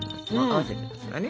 合わせてますからね。